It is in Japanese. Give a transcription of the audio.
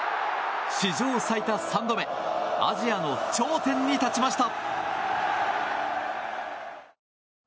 史上最多３度目アジアの頂点に立ちました。